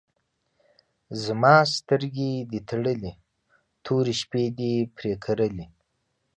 زما سترګې دي تړلي، تورې شپې دي پر کرلي